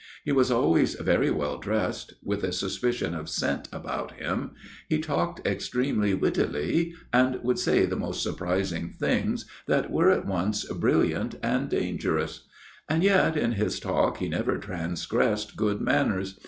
He was always very well dressed ; with a suspicion of scent about him ; he talked extremely wittily and would say the most surprising things that were at once brilliant and dangerous ; and yet in his talk he never transgressed good manners.